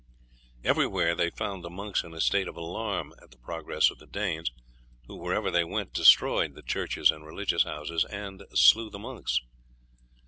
Everywhere they found the monks in a state of alarm at the progress of the Danes, who, wherever they went, destroyed the churches and religious houses, and slew the monks.